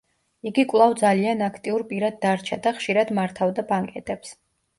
იგი კვლავ ძალიან აქტიურ პირად დარჩა და ხშირად მართავდა ბანკეტებს.